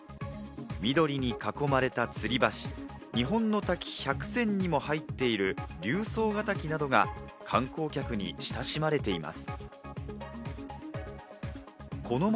緑に囲まれたつり橋、日本の滝１００選にも入っている龍双ヶ滝などが観光客に親しまれています。